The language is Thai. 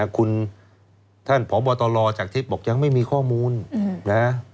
คุณท่านพบตรจากทิพย์บอกยังไม่มีข้อมูลนะ